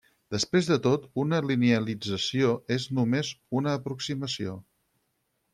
Després de tot, una linealització és només una aproximació.